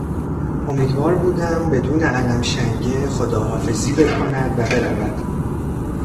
امیدوار بودم بدون الم شنگه خداحافظی بکند و برود.